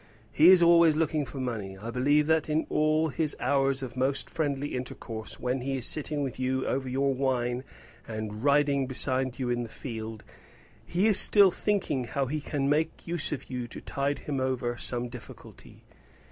He is always looking for money; I believe that in all his hours of most friendly intercourse, when he is sitting with you over your wine, and riding beside you in the field, he is still thinking how he can make use of you to tide him over some difficulty.